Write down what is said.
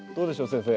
先生。